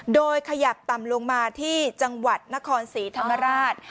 โดยขยับต่ำลงมาที่จังหวัดนครศรีธรรมราช